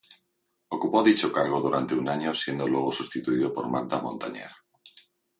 Ocupó dicho cargo durante un año, siendo luego sustituido por Martha Montaner.